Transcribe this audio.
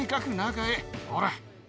ほら。